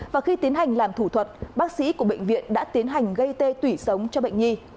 và khi tiến hành làm thủ thuật bác sĩ của bệnh viện đã tiến hành gây tê tủy sống cho bệnh nhi